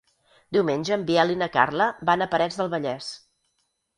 Diumenge en Biel i na Carla van a Parets del Vallès.